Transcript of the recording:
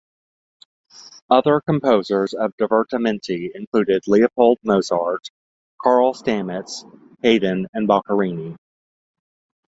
Other composers of "divertimenti" include Leopold Mozart, Carl Stamitz, Haydn and Boccherini.